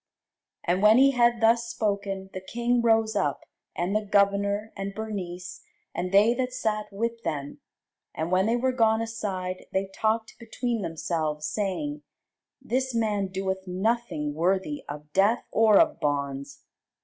And when he had thus spoken, the king rose up, and the governor, and Bernice, and they that sat with them: and when they were gone aside, they talked between themselves, saying, This man doeth nothing worthy of death or of bonds.